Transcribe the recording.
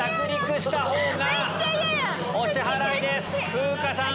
風花さん